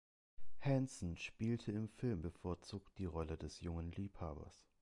Hanson spielte im Film bevorzugt die Rolle des jungen Liebhabers.